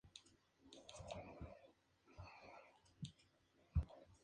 Estamos hablando de deformación elástica.